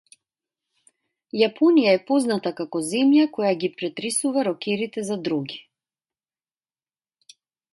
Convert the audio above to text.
Јапонија е позната како земја која ги претресува рокерите за дроги.